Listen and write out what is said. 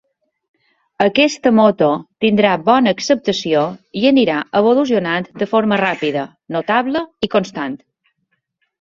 Aquesta moto tindrà bona acceptació i anirà evolucionant de forma ràpida, notable i constant.